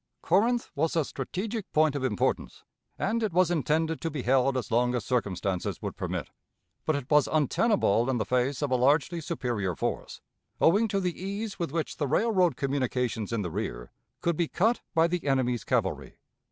Corinth was a strategic point of importance, and it was intended to be held as long as circumstances would permit; but it was untenable in the face of a largely superior force, owing to the ease with which the railroad communications in the rear could be cut by the enemy's cavalry.